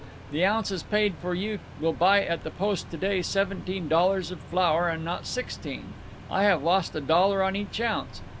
The ounces paid for you will buy at the post to day seventeen dollars of flour, and not sixteen. I have lost a dollar on each ounce.